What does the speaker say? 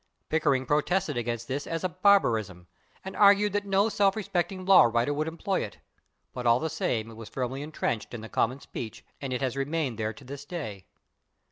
Pickering protested against this as a barbarism, and argued that no self respecting law writer would employ it, but all the same it was firmly entrenched in the common speech and it has remained there to this day.